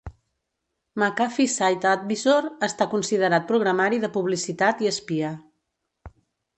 McAfee Site Advisor està considerat programari de publicitat i espia.